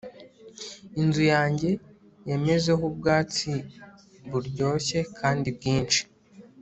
inzu yanjye yamezeho ubwatsi buryoshye kandi bwinshi